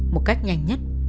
một cách nhanh nhất